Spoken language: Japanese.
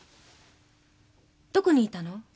どこにいたの？